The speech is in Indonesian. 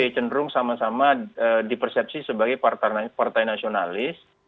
cenderung sama sama dipersepsi sebagai partai nasionalis